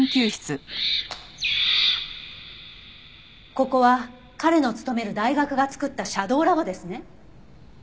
ここは彼の勤める大学が作ったシャドーラボですね。